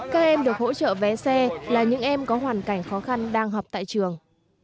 các em được hỗ trợ vé xe là những em có hoàn cảnh khó khăn đang học tại trường